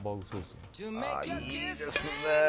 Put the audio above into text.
いいですね。